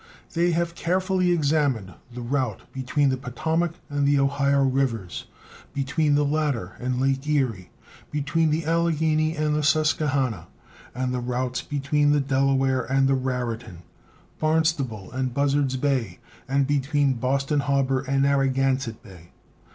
They have carefully examined the route between the Potomac and the Ohio rivers; between the latter and Lake Erie; between the Alleghany and the Susquehannah; and the routes between the Delaware and the Raritan, Barnstable and Buzzards Bay, and between Boston Harbor and Narraganset Bay.